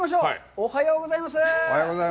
おはようございます。